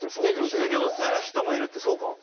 卒業する人もいるってそうか。